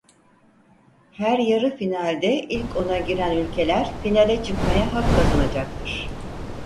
Her yarı finalde ilk on'a giren ülkeler Finale çıkmaya hak kazanacaktır.